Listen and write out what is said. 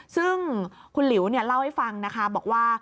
ซึ่งคุณหลิวเล่าให้ฟังนะคะบอกว่า